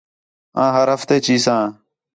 آں ہر ہفتے چیساں